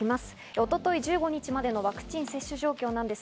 一昨日１５日までのワクチン接種状況です。